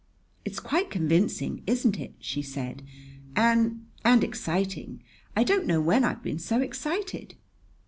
"It's quite convincing, isn't it?" she said. "And and exciting! I don't know when I've been so excited."